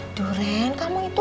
aduh ren kamu itu